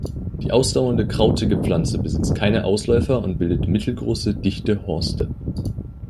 Die ausdauernde krautige Pflanze besitzt keine Ausläufer und bildet mittelgroße, dichte Horste.